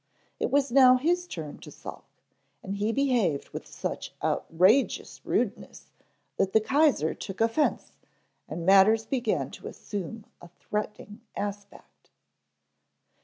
It was now his turn to sulk, and he behaved with such outrageous rudeness that the Kaiser took offence and matters began to assume a threatening aspect.